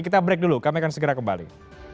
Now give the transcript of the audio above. kita break dulu kami akan segera kembali